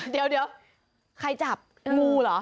เดี๋ยวใครจับงูเหรอ